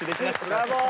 ブラボー！